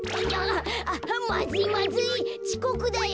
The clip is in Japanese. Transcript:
まずいまずいちこくだよ。